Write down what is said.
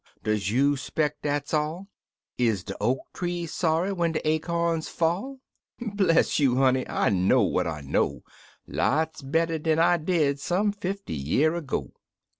Does you speck dat's all ? Is de oak tree sorry when de acorns fall ? Bless you, honey! I know what I know Lots better dan I did some fifty year ago.